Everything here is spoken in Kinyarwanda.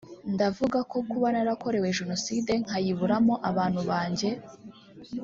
Ndavuga ko kuba narakorewe Jenoside nkayiburamo abantu banjye